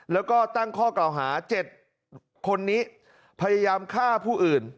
แล้วก็ตั้งข้อกล่าวหา๗คนนี้พยายามฆ่าผู้อื่น